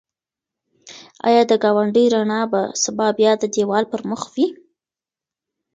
ایا د ګاونډي رڼا به سبا بیا د دېوال پر مخ وي؟